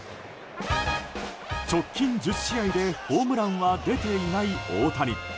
直近１０試合でホームランは出ていない大谷。